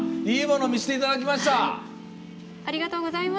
いいもの見せていただきました。